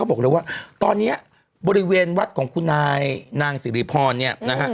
บอกเลยว่าตอนนี้บริเวณวัดของคุณนายนางสิริพรเนี่ยนะฮะ